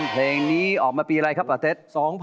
เพลงนี้ออกมาปีอะไรครับป่าเต็ด